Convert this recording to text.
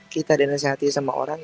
kita dinasihati sama orang